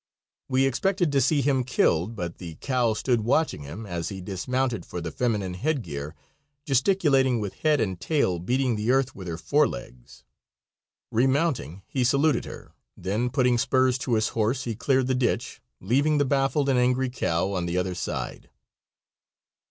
We expected to see him killed, but the cow stood watching him as he dismounted for the feminine headgear, gesticulating with head and tail and beating the earth with her fore legs. Remounting, he saluted her, then putting spurs to his horse he cleared the ditch, leaving the baffled and angry cow on the other side.